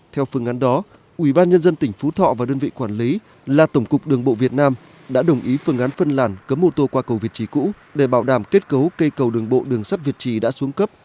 theo phương án đó ubnd tỉnh phú thọ và đơn vị quản lý là tổng cục đường bộ việt nam đã đồng ý phương án phân làn cấm ô tô qua cầu việt trì cũ để bảo đảm kết cấu cây cầu đường bộ đường sắt việt trì đã xuống cấp